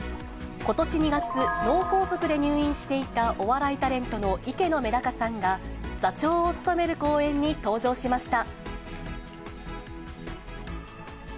ことし２月、脳梗塞で入院していたお笑いタレントの池乃めだかさんが、座長を務める公演に登場しました。